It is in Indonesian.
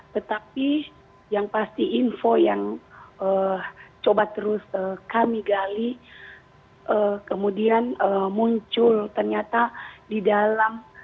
tetapi yang pasti info yang coba terus kami gali kemudian muncul ternyata di dalam